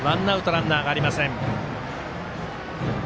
ランナーありません。